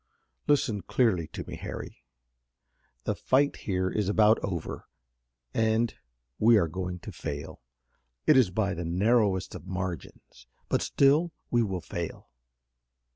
Listen clearly to me, Harry. The fight here is about over, and we are going to fail. It is by the narrowest of margins, but still we will fail.